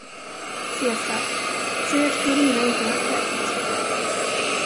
Cesar, säg att Klorina inte har hört rätt!